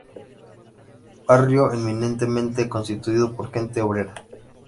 Barrio eminentemente constituido por gente obrera.